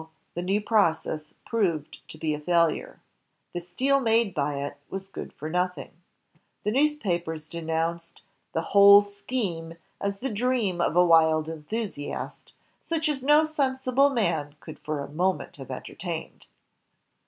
the new process proved to be a failure. The steel made by it was good for nothing. The newspapers denounced "the whole scheme as the dream of a wild l8o INVENTIONS OF MANUFACTURE AND PRODUCTION enthusiast, such as no sensible man could for a moment have entertained."